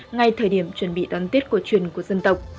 ngay thời điểm chuẩn bị đón tết cổ truyền của dân tộc